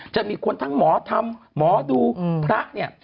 จะมีคนทั้งหมอธรรมหมอดูพระเนี่ย